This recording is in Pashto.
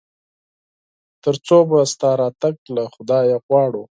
تر څو به ستا راتګ له خدايه غواړو ؟